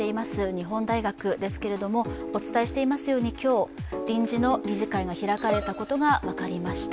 日本大学ですけれどもお伝えしていますように、今日、臨時の理事会が開かれたことが分かりました。